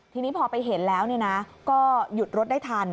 ทีนี้พอไปเห็นแล้วก็หยุดรถได้ทัน